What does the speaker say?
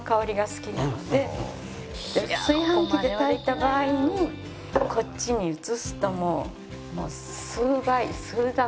炊飯器で炊いた場合にこっちに移すともう数倍数段。